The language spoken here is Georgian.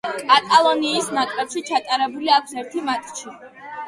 კატალონიის ნაკრებში ჩატარებული აქვს ერთი მატჩი.